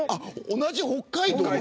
同じ北海道だ。